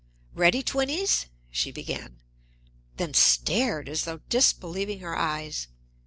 "Ready, twinnies?" she began, then stared as though disbelieving her eyes.